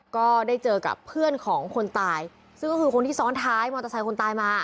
ก็ได้เจอกับเพื่อนของคนตายซึ่งก็คือคนที่ซ้อนท้ายมอเตอร์ไซค์คนตายมา